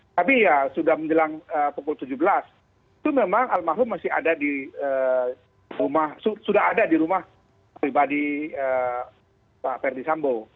tapi ya sudah menjelang pukul tujuh belas itu memang almarhum masih ada di rumah sudah ada di rumah pribadi pak ferdi sambo